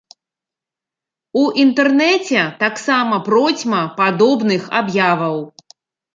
У інтэрнэце таксама процьма падобных аб'яваў.